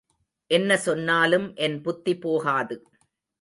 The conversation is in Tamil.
என்ன சொன்னாலும் என் புத்தி போகாது.